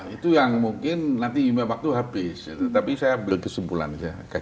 itu yang mungkin nanti yume waktu habis tapi saya ambil kesimpulannya